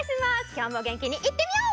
きょうもげんきにいってみよう！